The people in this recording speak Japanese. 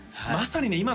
まさにね